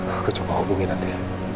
aku coba hubungi nanti